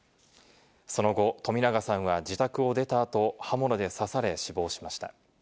その後、冨永さんは自宅を出た後、刃物で刺され、死亡しました。